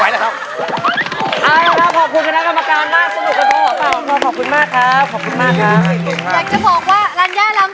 เอาล่ะครับขอบคุณคุณนักกรรมการมาก